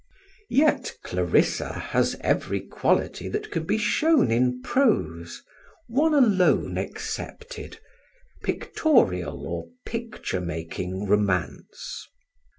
Yet Clarissa has every quality that can be shown in prose, one alone excepted pictorial or picture making romance.